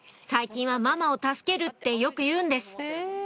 最近は「ママを助ける」ってよく言うんです